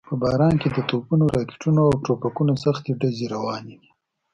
په باران کې د توپونو، راکټونو او ټوپکونو سختې ډزې روانې وې.